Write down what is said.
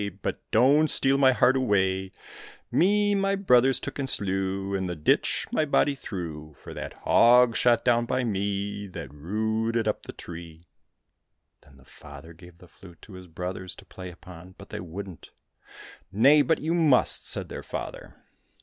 But don't steal my heart away ! Me my brothers took and slew, In the ditch my body threw, For that hog shot down by me, That rooted up the tree I " Then the father gave the flute to his brothers to play upon, but they wouldn't. " Nay, but you must !" said their father.